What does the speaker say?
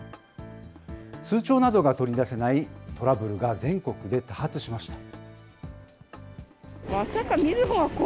通帳などが取り出せないトラブルが全国で多発しました。